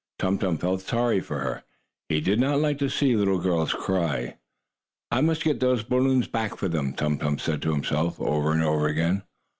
Tum Tum felt sorry for her. He did not like to see little girls cry. "I must get those balloons back for them," Tum Tum said to himself, over and over again.